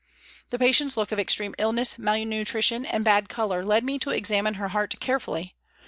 The patient's look of extreme illness, malnutrition, and bad colour led me to examine her heart carefully.